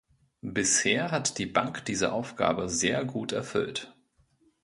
Bisher hat die Bank diese Aufgabe sehr gut erfüllt.